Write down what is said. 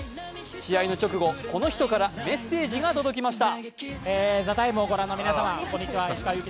試合の直後のこの人からメッセージが届きました。